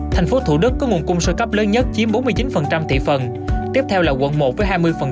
thành phố thủ đức có nguồn cung sơ cấp lớn nhất chiếm bốn mươi chín thị phần tiếp theo là quận một với hai mươi